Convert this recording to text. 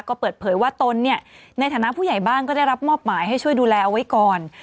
ก็เปิดเผยว่าตนเนี่ยในฐานะผู้ใหญ่บ้านก็ได้รับมอบหมายให้ช่วยดูแลเอาไว้ก่อน